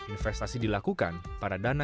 investasi dilakukan pada dana